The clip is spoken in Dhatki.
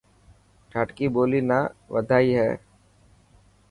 ڌاٽڪي ٻولي نا وڌائي هي.